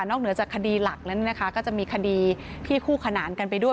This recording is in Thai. เหนือจากคดีหลักแล้วนะคะก็จะมีคดีที่คู่ขนานกันไปด้วย